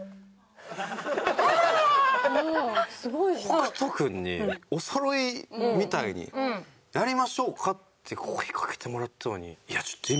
北斗君におそろいみたいにやりましょうか？って声かけてもらったのに。